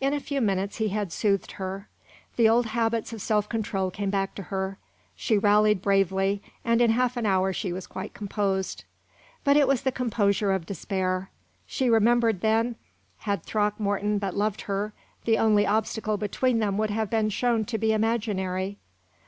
In a few minutes he had soothed her. The old habits of self control came back to her. She rallied bravely, and in half an hour she was quite composed. But it was the composure of despair. She remembered, then, had Throckmorton but loved her, the only obstacle between them would have been shown to be imaginary.